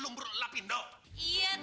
lu curok almatik bersihin